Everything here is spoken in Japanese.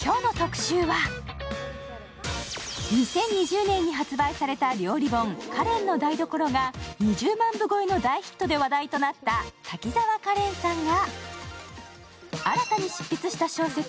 ２０２０年に発売された料理本、「カレンの台所」が２０万部超えの大ヒットで話題となった滝沢カレンさんが新たに執筆した小説